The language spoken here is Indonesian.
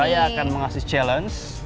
saya akan mengasih challenge